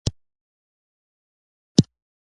پامير د دنيا بام په نوم یادیږي.